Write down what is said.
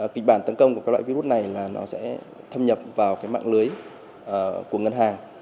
kịch bản tấn công của các loại virus này là nó sẽ thâm nhập vào mạng lưới của ngân hàng